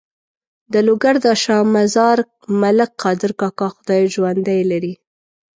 د لوګر د شا مزار ملک قادر کاکا خدای ژوندی لري.